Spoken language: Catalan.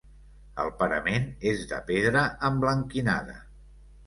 El parament és de pedra emblanquinada.